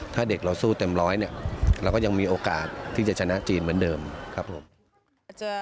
ถ้าเด็กเราสู้เต็มร้อยเนี่ยเราก็ยังมีโอกาสที่จะชนะจีนเหมือนเดิมครับผม